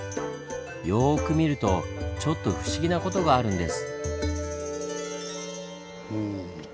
よく見るとちょっと不思議なことがあるんです。